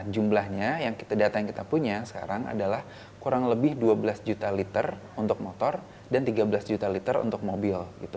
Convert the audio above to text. jumlahnya data yang kita punya sekarang adalah kurang lebih dua belas juta liter untuk motor dan tiga belas juta liter untuk mobil